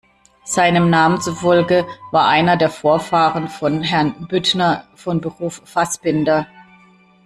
Seinem Namen zufolge war einer der Vorfahren von Herrn Büttner von Beruf Fassbinder.